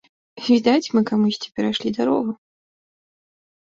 Відаць, мы камусьці перайшлі дарогу.